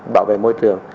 bảo vệ môi trường